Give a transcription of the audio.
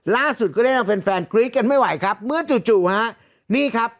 ล่าสุดก็ได้ว่าแฟนคลิกกันไม่ไหวครับเมื่อจู่นี่ครับ